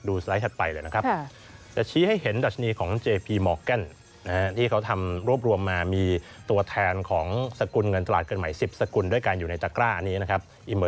ดูสไลซ์เหละเลยนะครับ